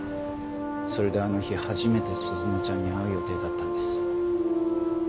それであの日初めて鈴乃ちゃんに会う予定だったんです。